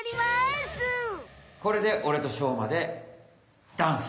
これでおれとしょうまでダンス。